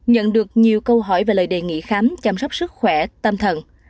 nhận được nhiều câu hỏi về lời đề nghị khám chăm sóc sức khỏe tâm thần